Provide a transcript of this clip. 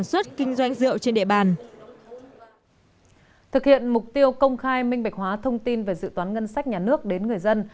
sau công khai minh bạch hóa thông tin về dự toán ngân sách nhà nước đến người dân